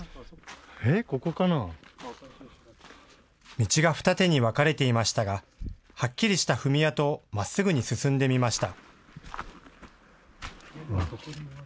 道が二手に分かれていましたがはっきりした踏み跡をまっすぐに進んでみました。